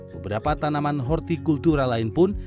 beberapa tanaman hortikultura lain pun